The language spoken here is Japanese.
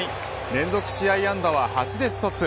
連続試合安打は８でストップ。